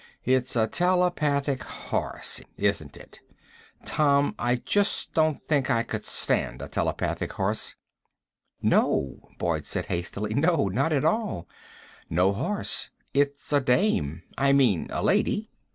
"It's a telepathic horse, isn't it? Tom, I just don't think I could stand a telepathic horse " "No," Boyd said hastily. "No. Not at all. No horse. It's a dame. I mean a lady."